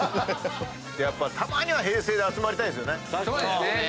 やっぱたまには平成で集まりたいですよね。